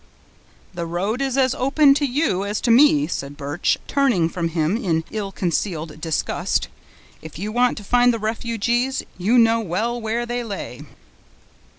"The road is as open to you as to me," said Birch, turning from him in ill concealed disgust. "If you want to find the refugees, you know well where they lay."